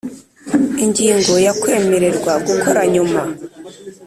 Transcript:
Ingingo ya kwemererwa gukora nyuma